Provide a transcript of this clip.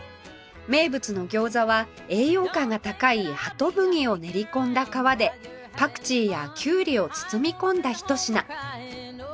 名物の餃子は栄養価が高いハトムギを練り込んだ皮でパクチーやキュウリを包み込んだひと品